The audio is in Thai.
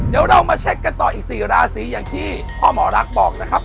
เดี๋ยวเรามาเช็คกันต่ออีก๔ราศีอย่างที่พ่อหมอรักบอกนะครับ